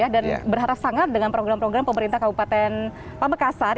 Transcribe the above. dan berharap sangat dengan program program pemerintah kabupaten pamekasar